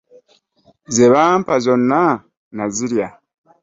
Ze bampa zonna nazirya.